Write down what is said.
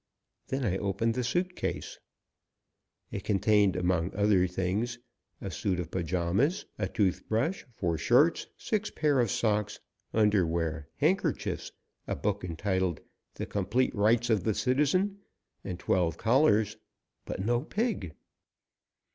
Then I opened the suit case. It contained, among other things, a suit of pajamas, a tooth brush, four shirts, six pair of socks, underwear, handkerchiefs, a book entitled "The Complete Rights of the Citizen," and twelve collars. But no pig.